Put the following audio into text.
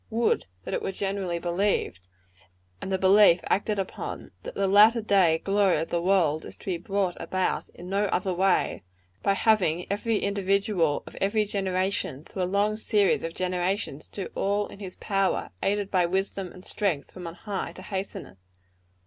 Would that it were generally believed and the belief acted upon that the latter day glory of the world is to be brought about in no other way than by having every individual of every generation, through a long series of generations, do all in his power, aided by wisdom and strength from on high, to hasten it.